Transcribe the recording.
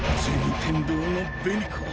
天堂の紅子。